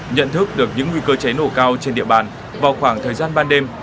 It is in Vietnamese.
nhận thức được những nguy cơ cháy nổ cao trên địa bàn vào khoảng thời gian ban đêm